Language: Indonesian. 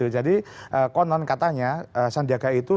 jadi konon katanya sandiaga itu